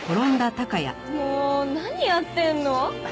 もう何やってるの？